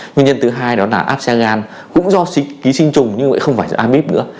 nguyên nhân thứ hai đó là áp xe gan cũng do ký sinh trùng nhưng mà không phải do amip nữa